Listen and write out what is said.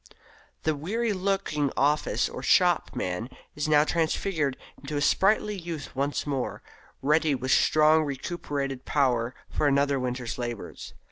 The weary looking office or shop man is now transfigured into a sprightly youth once more, ready with strongly recuperated power for another winter's labours.